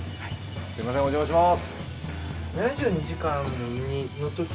すいませんお邪魔します。